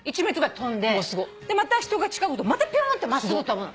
また人が近づくとまたピューンって真っすぐとぶの。